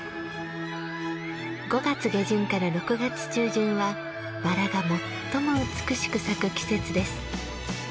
５月下旬から６月中旬はバラが最も美しく咲く季節です。